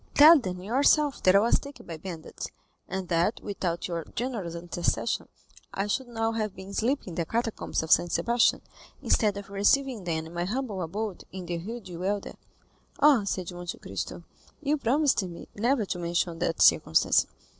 Tell them yourself that I was taken by bandits, and that without your generous intercession I should now have been sleeping in the Catacombs of St. Sebastian, instead of receiving them in my humble abode in the Rue du Helder." "Ah," said Monte Cristo "you promised me never to mention that circumstance."